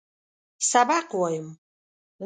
سبق وایم.